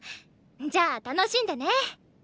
じゃ楽しんでね！